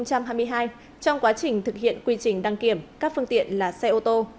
năm hai nghìn hai mươi hai trong quá trình thực hiện quy trình đăng kiểm các phương tiện là xe ô tô